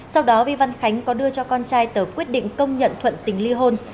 sau đó vi văn khánh có đưa cho con trai tờ quyết định công nhận thuận tình ly hôn